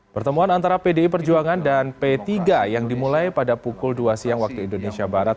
pertemuan antara pdi perjuangan dan p tiga yang dimulai pada pukul dua siang waktu indonesia barat